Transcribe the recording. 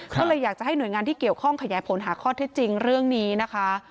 ก็เลยอยากจะให้หน่วยงานที่เกี่ยวข้องขยายผลหาข้อเท็จจริงเรื่องนี้นะคะ